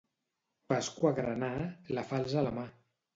Pasqua «granà», la falç a la mà.